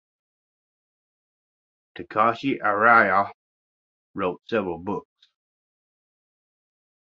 Takashi Araya wrote several books.